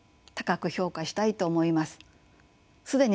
高く評価したいと思います。